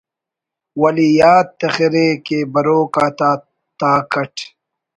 ولے یات تخرے کہ بروک آ تاک اٹ